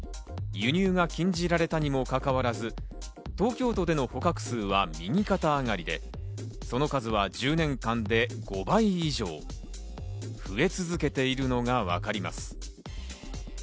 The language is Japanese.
輸入が禁じられたにもかかわらず、東京都での捕獲数は右肩上がりでその数は１０年間で５倍以上、増え続けているのがわかります。